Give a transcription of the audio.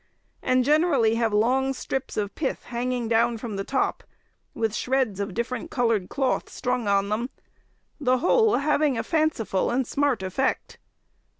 and generally have long strips of pith hanging down from the top, with shreds of different coloured cloth strung on them, the whole having a fanciful and smart effect.